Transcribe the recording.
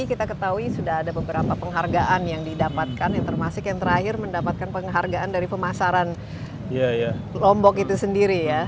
kita ketahui sudah ada beberapa penghargaan yang didapatkan yang termasuk yang terakhir mendapatkan penghargaan dari pemasaran lombok itu sendiri ya